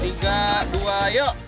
tiga dua yuk